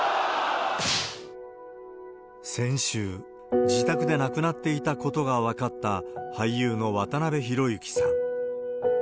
先週、自宅で亡くなっていたことが分かった俳優の渡辺裕之さん。